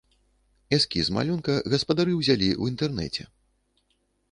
Эскіз малюнка гаспадары ўзялі ў інтэрнэце.